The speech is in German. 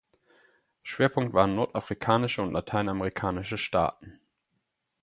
Schwerpunkt waren nordafrikanische und lateinamerikanische Staaten.